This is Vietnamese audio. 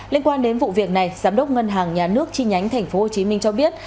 liên quan đến vụ việc này giám đốc ngân hàng nhà nước chi nhánh tp hcm cho biết